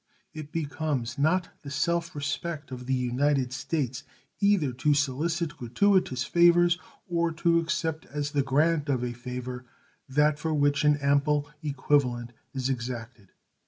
It becomes not the self respect of the United States either to solicit gratuitous favors or to accept as the grant of a favor that for which an ample equivalent is exacted.